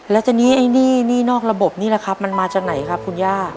แล้วทีนี้ไอ้หนี้นอกระบบนี่แหละครับมันมาจากไหนครับคุณย่า